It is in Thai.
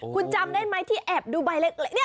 คุณจำได้ไหมที่แอบดูใบเล็ก